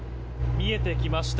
見えてきました。